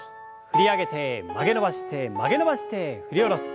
振り上げて曲げ伸ばして曲げ伸ばして振り下ろす。